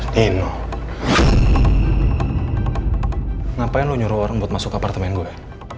neno ngapain lu nyuruh orang buat masuk apartemen gue